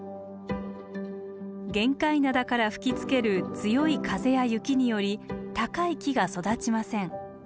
玄界灘から吹きつける強い風や雪により高い木が育ちません。